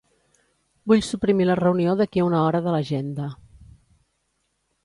Vull suprimir la reunió d'aquí a una hora de l'agenda.